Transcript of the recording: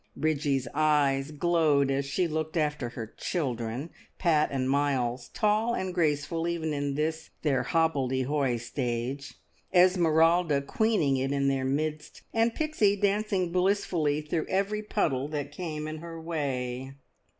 Bridgie's eyes glowed as she looked after her "children", Pat and Miles, tall and graceful even in this their hobbledehoy stage, Esmeralda queening it in their midst, and Pixie dancing blissfully through every puddle that came in her way.